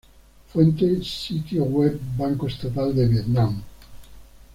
Fuente: Sitio web Banco Estatal de Vietnam